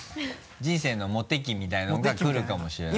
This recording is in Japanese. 人生のモテ期みたいなのが来るかもしれない？